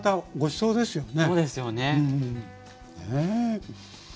そうですね。